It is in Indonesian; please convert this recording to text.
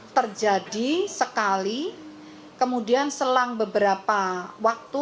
terjadi sekali kemudian selang beberapa waktu